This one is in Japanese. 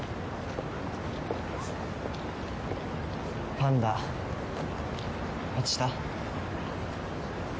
「パンダ落ちた？」